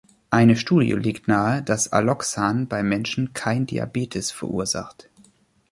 Eine Studie legt nahe, dass Alloxan bei Menschen kein Diabetes verursacht.